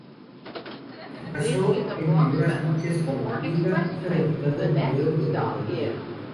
Se casó en primeras nupcias con Matilda, hija de Ricardo I de Normandía.